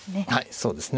そうですね。